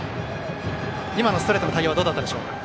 今のストレートへの対応はどうだったでしょう。